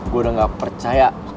gue udah gak percaya